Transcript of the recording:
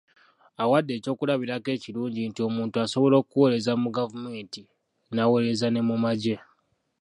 Awadde ekyokulabirako ekirungi nti omuntu asobola okuweereza mu gavumenti, n'aweereza ne mu magye.